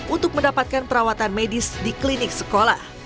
untuk mendapatkan perawatan medis di klinik sekolah